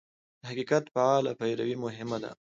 د حقیقت فعاله پیروي مهمه ده.